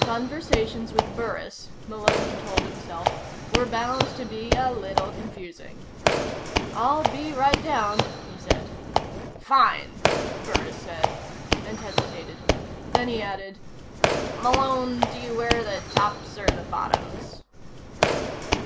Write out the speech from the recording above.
Conversations with Burris, Malone told himself, were bound to be a little confusing. "I'll be right down," he said. "Fine," Burris said, and hesitated. Then he added: "Malone, do you wear the tops or the bottoms?"